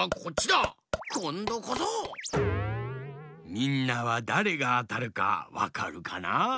みんなはだれがあたるかわかるかな？